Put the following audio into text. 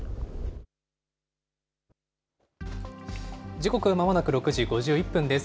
時刻はまもなく６時５１分です。